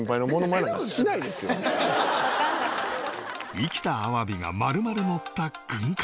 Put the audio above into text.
生きたあわびが丸々のった軍艦